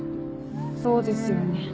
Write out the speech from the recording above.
そうですよね。